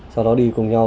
sau đó đi cùng nhau